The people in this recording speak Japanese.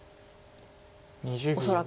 恐らく。